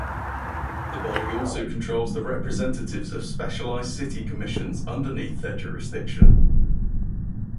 The body also controls the representatives of specialized city commissions underneath their jurisdiction.